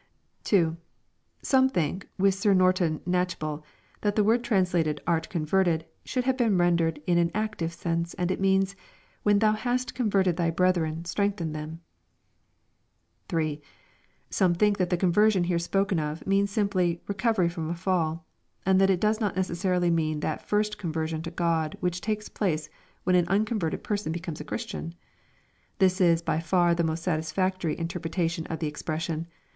2. Some think, with Sir Norton KnatohbuU, that the word translated " art converted," should have been rendered in an active sense, and that it means, " When thou hast converted thy breth ren, strengthen them." 3. Some think that the conversion here spoken of, means sim* ply " recovery from a fall," and that it does not necessarily mean that first conversion to Q od which takes place when an uncon verted person becomes a Christian. This is by far the most satis factory interpretation of the expression.